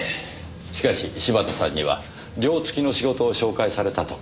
しかし柴田さんには寮付きの仕事を紹介されたとか。